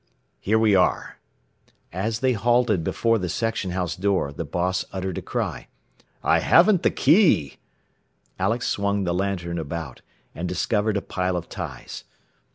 "Here we are." As they halted before the section house door the boss uttered a cry. "I haven't the key!" Alex swung the lantern about, and discovered a pile of ties.